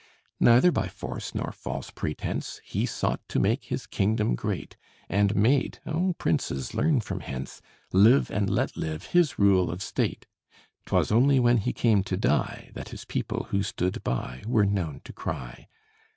Neither by force nor false pretense, He sought to make his kingdom great, And made (O princes, learn from hence) "Live and let live" his rule of state. 'Twas only when he came to die, That his people who stood by Were known to cry.